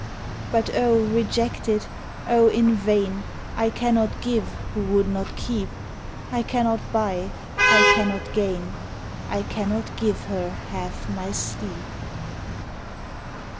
But O rejected! O in vain! I cannot give who would not keep. I cannot buy, I cannot gain, I cannot give her half my sleep.